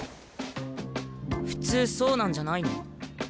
普通そうなんじゃないの？